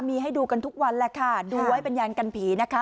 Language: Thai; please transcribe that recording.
มีให้ดูกันทุกวันแหละค่ะดูไว้เป็นยานกันผีนะคะ